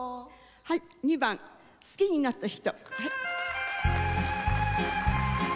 ２番「好きになった人」。